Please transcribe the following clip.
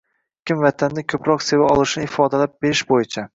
kim vatanni ko‘proq seva olishini ifodalab berish bo‘yicha